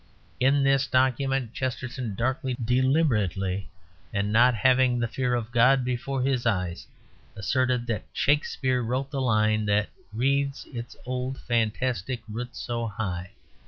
In this document Chesterton darkly, deliberately, and not having the fear of God before his eyes, asserted that Shakespeare wrote the line "that wreathes its old fantastic roots so high."